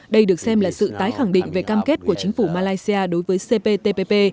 đây được xem là sự tái khẳng định về cam kết của chính phủ malaysia đối với cptpp